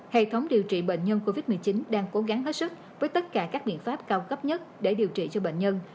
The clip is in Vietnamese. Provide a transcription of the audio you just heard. hệ thống điều trị bệnh nhân covid một mươi chín đang cố gắng hết sức với tất cả các biện pháp cao cấp nhất để điều trị cho bệnh nhân